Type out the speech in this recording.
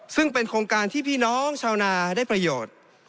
ซึ่งเป็นโครงการที่พี่น้องชาวนาได้ประโยชน์